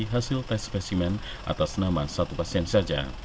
hasil tes spesimen atas nama satu pasien saja